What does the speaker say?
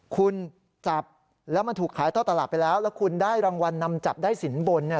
คุณจับแล้วมันถูกขายท่อตลาดไปแล้วแล้วคุณได้รางวัลนำจับได้สินบนเนี่ย